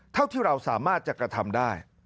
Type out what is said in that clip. เท่าที่เราสามารถจะกระทำได้